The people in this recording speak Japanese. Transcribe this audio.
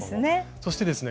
そしてですね